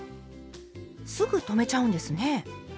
すぐ止めちゃうんですね。